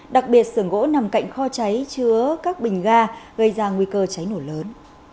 đặc biệt xưởng gỗ nằm cạnh kho cháy chứa các bình ga gây ra nguy cơ cháy nổ lớn